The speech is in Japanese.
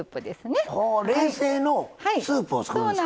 冷製のスープを作るんですか。